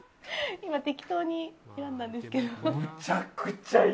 今、適当に選んだんですけど。